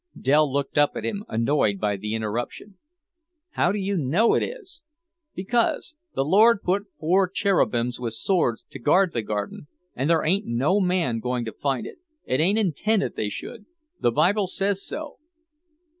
Dell looked up at him, annoyed by the interruption. "How do you know it is?" "Because; the Lord put four cherubims with swords to guard the Garden, and there ain't no man going to find it. It ain't intended they should. The Bible says so."